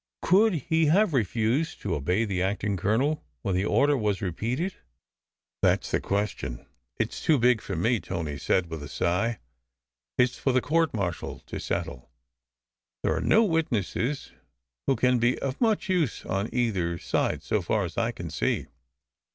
" Could he have refused to obey the acting colonel, when the order was repeated? " SECRET HISTORY 141 "That s the question. It s too big for me," Tony said with a sigh. "It s for the court martial to settle. There are no witnesses who can be of much use on either side, so far as I can see.